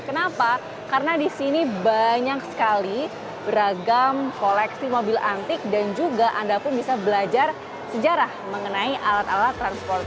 kenapa karena di sini banyak sekali beragam koleksi mobil antik dan juga anda pun bisa belajar sejarah mengenai alat alat transportasi